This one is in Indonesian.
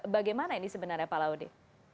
bagaimana ini sebenarnya pak laude